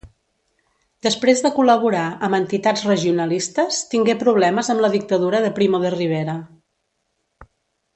Després de col·laborar amb entitats regionalistes tingué problemes amb la dictadura de Primo de Rivera.